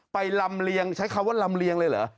ลำเลียงใช้คำว่าลำเลียงเลยเหรอ